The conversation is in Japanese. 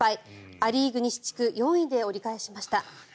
ア・リーグ西地区、４位で折り返しました。